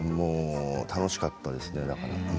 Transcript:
楽しかったですね。